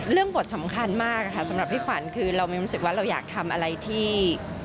บทสำคัญมากค่ะสำหรับพี่ขวัญคือเราไม่รู้สึกว่าเราอยากทำอะไรที่